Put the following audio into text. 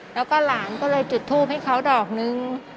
แล้วก็หลานก็เลยจุดทูปให้เขาดอกนึง